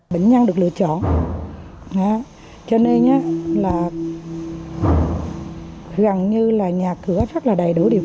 bệnh nhân được lựa chọn cho nên là gần như là nhà cửa rất là đầy đủ điều